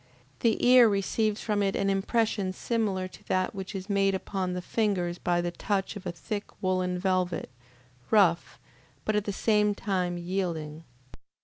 The ear receives from it an impression similar to that which is made upon the fingers by the touch of a thick woolen velvet, rough, but at the same time, yielding.